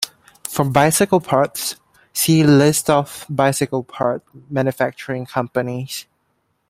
For bicycle parts, see List of bicycle part manufacturing companies.